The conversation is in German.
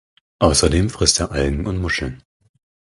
Außerdem frisst er Algen und Muscheln.